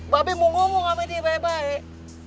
babi mau ngomong sama dia baik baik